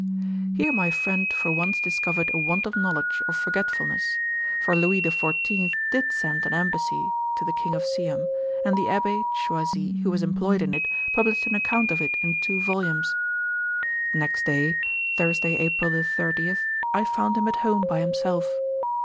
Here my friend for once discovered a want of knowledge or forgetfulness; for Louis the Fourteenth did send an embassy to the King of Siam, and the Abbé Choisi, who was employed in it, published an account of it in two volumes. Next day, Thursday, April 30, I found him at home by himself.